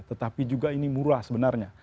tetapi juga ini murah sebenarnya